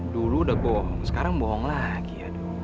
dulu udah bohong sekarang bohong lagi